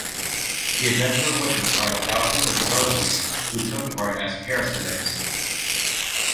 The events were witnessed by thousands of devotees who took part as "Karasevaks".